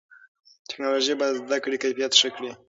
ټیکنالوژي به د زده کړې کیفیت ښه کړي.